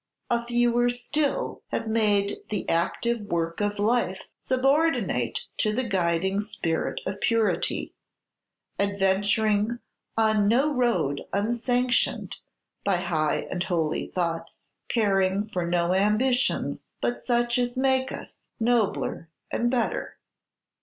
A fewer still have made the active work of life subordinate to the guiding spirit of purity, adventuring on no road unsanctioned by high and holy thoughts, caring for no ambitions but such as make us nobler and better.